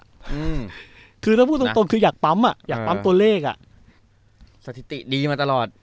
อืมคือถ้าพูดตรงตรงคืออยากปั๊มอ่ะอยากปั๊มตัวเลขอ่ะสถิติดีมาตลอด